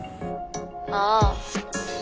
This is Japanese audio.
ああ。